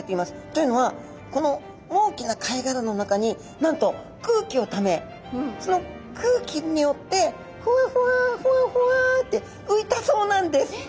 というのはこの大きな貝殻の中になんと空気をためその空気によってふわふわふわふわってういたそうなんです。